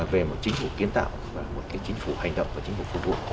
về một chính phủ kiến tạo và một chính phủ hành động và chính phủ phục vụ